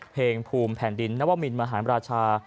เพลงภูมิแผ่นดินนวมินมหารราชา